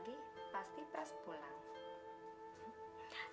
sebentar lagi pasti pras pulang